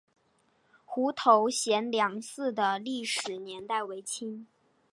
湖头贤良祠的历史年代为清。